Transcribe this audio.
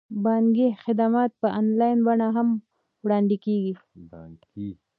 بانکي خدمات په انلاین بڼه هم وړاندې کیږي.